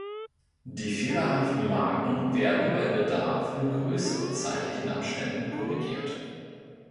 Die fehlerhaften Marken werden bei Bedarf in größeren zeitlichen Abständen korrigiert.